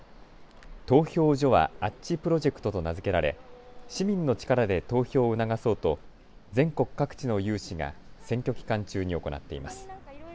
投票所はあっちプロジェクトと名付けられ、市民の力で投票を促そうと全国各地の有志が選挙期間中に行っています。